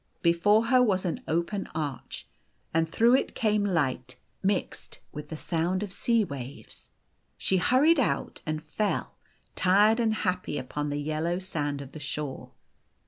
Before her was an open arch, and through it came lis; ht, mixed with the sound of O O '& sea w r aves. She hurried out, and fell, tired and happy, upon the yellow sand of the shore.